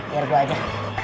biar gua aja